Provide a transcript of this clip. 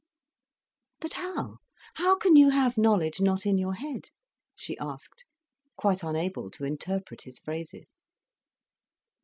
"But how? How can you have knowledge not in your head?" she asked, quite unable to interpret his phrases.